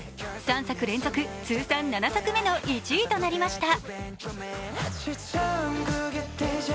３作連続通算７作目の１位となりました。